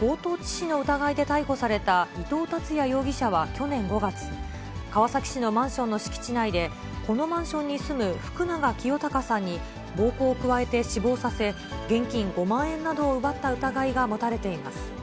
強盗致死の疑いで逮捕された伊藤辰也容疑者は去年５月、川崎市のマンションの敷地内で、このマンションに住む福永清貴さんに暴行を加えて死亡させ、現金５万円などを奪った疑いが持たれています。